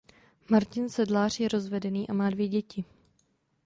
Martin Sedlář je rozvedený a má dvě děti.